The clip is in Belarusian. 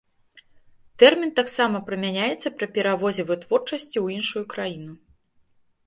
Тэрмін таксама прымяняецца пры пераводзе вытворчасці ў іншую краіну.